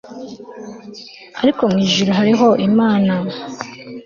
ariko mu ijuru hariho imana